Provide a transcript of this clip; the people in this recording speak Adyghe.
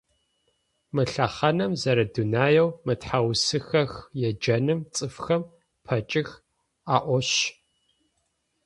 Мы лъэхъаным зэрэдунаеу мэтхьаусыхэх еджэным цӏыфхэр пэкӏых аӏошъ.